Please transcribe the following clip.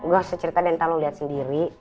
gua harus cerita deh ntar lu liat sendiri